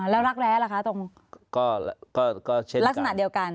แล้วรักแร้ล่ะคะตรงก็เช่นลักษณะเดียวกัน